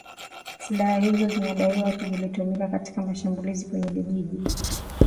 Silaha hizo zinadaiwa zilitumika katika mashambulizi kwenye vijiji